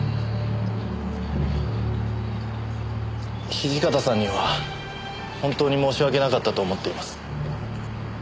土方さんには本当に申し訳なかったと思っています。